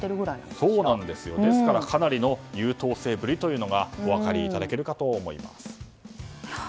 ですからかなりの優等生ぶりというのがお分かりいただけるかと思います。